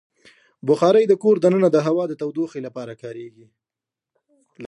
بخاري د کور دننه د هوا د تودوخې لپاره کارېږي.